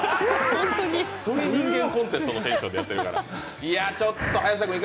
「鳥人間コンテスト」のテンションでやっているから。